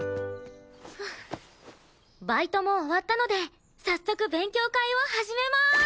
バイトも終わったので早速勉強会を始めまーす。